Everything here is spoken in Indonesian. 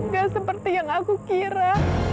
gak seperti yang aku kira